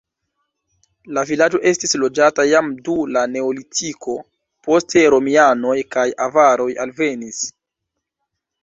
La vilaĝo estis loĝata jam dum la neolitiko, poste romianoj kaj avaroj alvenis.